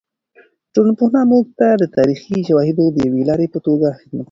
د ټولنپوهنه موږ ته د تاریخي شواهدو د یوې لارې په توګه خدمت کوي.